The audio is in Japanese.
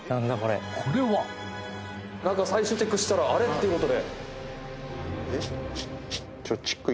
これは最終チェックしたらあれってことで。